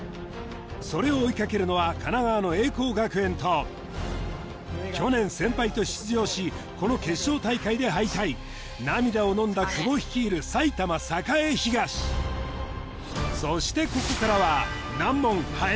それを追いかけるのは神奈川の栄光学園と去年先輩と出場しこの決勝大会で敗退涙をのんだ久保率いる埼玉栄東そしてここからは